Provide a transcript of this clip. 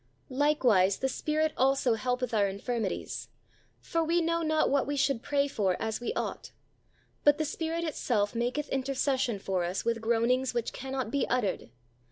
Likewise the Spirit also helpeth our infirmities: for we know not what we should pray for as we ought: but the Spirit itself maketh intercession for us with groanings which cannot be uttered.